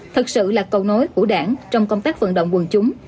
thật sự là cầu nối của đảng trong công tác vận động quân chúng